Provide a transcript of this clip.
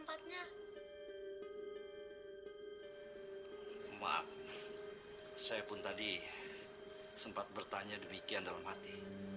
saya pun tadi sempat bertanya demikian dalam hati